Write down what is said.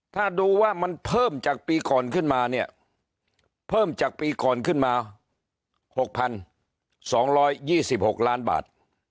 ถ้าดูว่ามันเพิ่มจากปีก่อนขึ้นมาเนี่ยเพิ่มจากปีก่อนขึ้นมา๖๒๒๖ล้านบาท